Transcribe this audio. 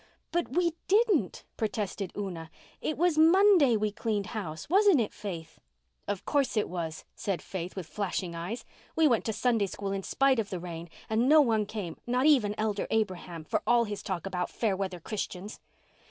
"But we didn't," protested Una. "It was Monday we cleaned house. Wasn't it, Faith?" "Of course it was," said Faith, with flashing eyes. "We went to Sunday School in spite of the rain—and no one came—not even Elder Abraham, for all his talk about fair weather Christians."